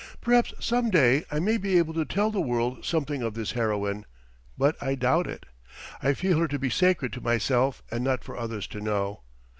Perhaps some day I may be able to tell the world something of this heroine, but I doubt it. I feel her to be sacred to myself and not for others to know.